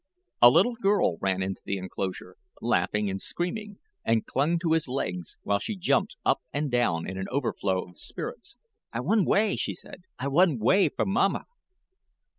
A little girl ran into the inclosure, laughing and screaming, and clung to his legs, while she jumped up and down in an overflow of spirits. "I wunned 'way," she said; "I wunned 'way from mamma."